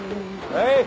はい。